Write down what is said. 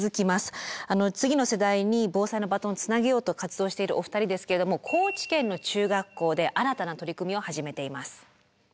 次の世代に防災のバトンをつなげようと活動しているお二人ですけれども高知県の中学校で新たな取り組みを始めています。